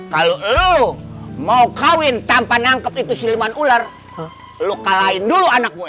kalau lo mau kawin tanpa nangkep itu siluman ular lo kalahin dulu anak gue